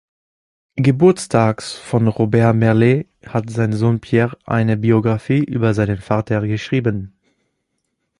Geburtstags von Robert Merle hat sein Sohn Pierre eine Biografie über seinen Vater geschrieben.